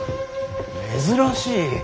珍しい！